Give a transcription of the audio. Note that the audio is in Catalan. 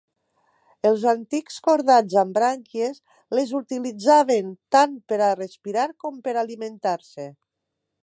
Els antics cordats amb brànquies les utilitzaven tant per a respirar com per a alimentar-se.